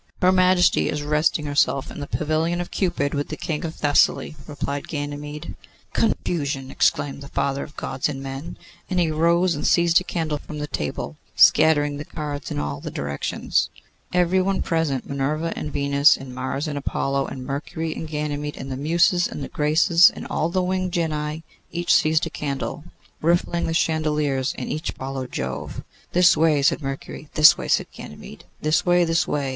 'Her Majesty is resting herself in the pavilion of Cupid, with the King of Thessaly,' replied Ganymede. 'Confusion!' exclaimed the Father of Gods and men; and he rose and seized a candle from the table, scattering the cards in all directions. Every one present, Minerva and Venus, and Mars and Apollo, and Mercury and Ganymede, and the Muses, and the Graces, and all the winged genii each seized a candle; rifling the chandeliers, each followed Jove. 'This way,' said Mercury. 'This way,' said Ganymede. 'This way, this way!